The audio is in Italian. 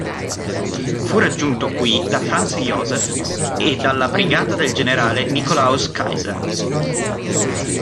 Fu raggiunto qui da Franz Joseph e dalla brigata del generale Nikolaus Kayser.